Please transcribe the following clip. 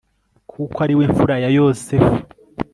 kuko ari we mfura ya yosefu